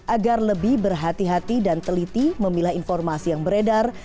agar lebih berhati hati dan teliti memilah informasi yang beredar